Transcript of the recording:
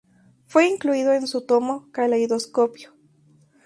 Fue incluido en su tomo "Caleidoscopio".